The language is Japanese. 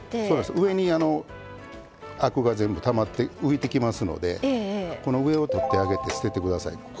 上にアクが全部たまって浮いてきますのでこの上を取ってあげて捨てて下さい。